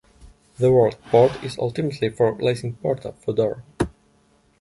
The word "port" is ultimately from Latin "porta" for door.